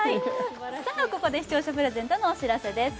さあここで視聴者プレゼントのお知らせです